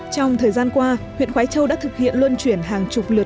trong thời gian qua huyện khói châu đã thực hiện luân chuyển hàng chục lượt